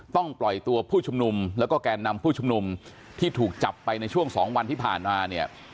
ปล่อยตัวผู้ชุมนุมแล้วก็แกนนำผู้ชุมนุมที่ถูกจับไปในช่วง๒วันที่ผ่านมาเนี่ย